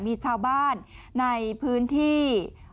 มีชาวบ้านในพื้นที่